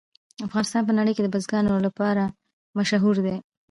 افغانستان په نړۍ کې د بزګانو لپاره مشهور دی.